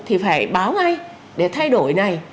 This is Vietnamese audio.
thì phải báo ngay để thay đổi này